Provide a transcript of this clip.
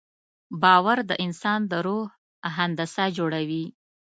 باور د انسان د روح هندسه جوړوي.